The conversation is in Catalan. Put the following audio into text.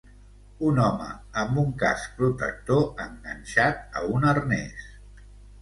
Un home amb un casc protector enganxat a un arnès.